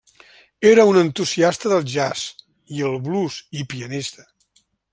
Era un entusiasta del jazz i el blues i pianista.